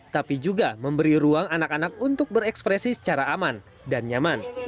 tapi juga memberi ruang anak anak untuk berekspresi secara aman dan nyaman